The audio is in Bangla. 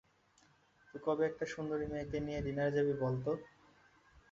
তুই কবে একটা সুন্দরী মেয়েকে নিয়ে ডিনারে যাবি বলত?